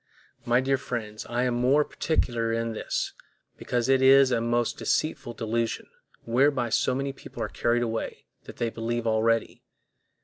My dear friends, I am more particular in this, because it is a most deceitful delusion, whereby so many people are carried away, that they believe already.